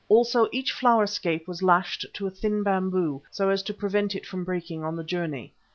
Also each flower scape was lashed to a thin bamboo so as to prevent it from breaking on the journey.